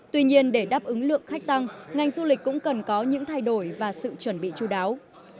tuy nhiên để đáp ứng lượng khách tăng ngành du lịch cũng cần có những thay đổi và sự chuẩn bị chú đáo